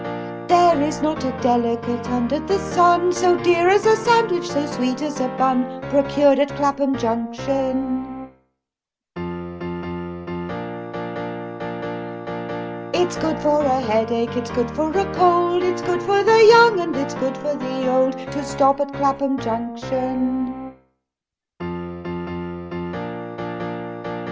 5. There is not a delicate * under the sun So dear as a sandwich, so sweet as a bun, Procured at Clappum Junction. 6. It's good for a headache, it's good for a cold, It's good for the young and it's good for the old To stop at Clappum Junction.